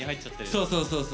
そうそうそうそう。